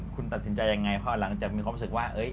คุณตัดสินใจยังไงครับหลังจากคุณคิดว่า